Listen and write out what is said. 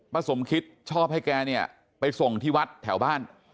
สมคิดชอบให้แกเนี่ยไปส่งที่วัดแถวบ้าน